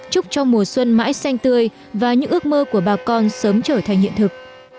chúc cho mùa xuân mãi xanh tươi và những ước mơ của bà con sớm trở thành hiện thực